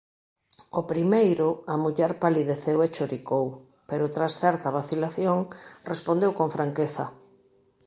Ao primeiro, a muller palideceu e choricou, pero tras certa vacilación respondeu con franqueza